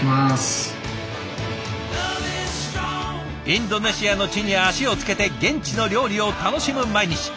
インドネシアの地に足をつけて現地の料理を楽しむ毎日。